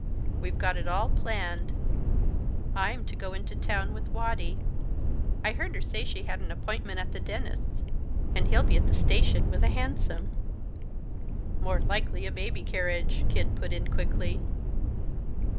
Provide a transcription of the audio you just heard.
We've got it all planned. I'm to go into town with Waddy. I heard her say she had an appointment at the dentist's and he'll be at the station with a hansom " "More likely a baby carriage," Kid put in quickly.